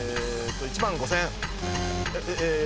１万５，０００円。